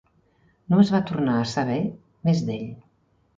No es va tornar a saber més d'ell.